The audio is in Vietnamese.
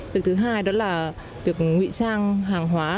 việc thứ hai đó là việc ngụy trang hàng hóa